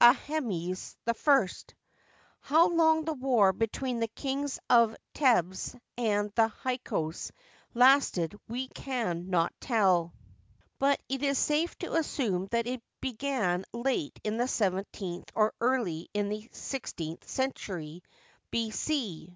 Aahmes L How long the war between the kings of Thebes and the Hyksos lasted we can not tell ; but it is safe to assume that it began late in the seventeenth or early in the six teenth century B. C.